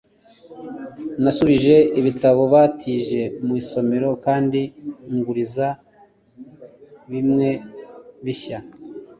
Nasubije ibitabo natije mu isomero kandi nguriza bimwe bishya